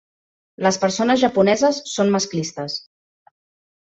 Les persones japoneses són masclistes.